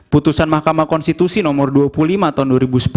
putusan mahkamah konstitusi nomor dua puluh lima tahun dua ribu sepuluh